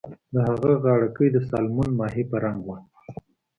د هغه غاړه کۍ د سالمون ماهي په رنګ وه